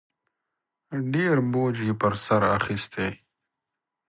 ډېر بوج یې په سر اخیستی